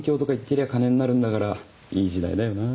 てりゃ金になるんだからいい時代だよな。